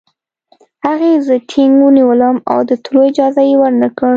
هغې زه ټینګ ونیولم او د وتلو اجازه یې ورنکړه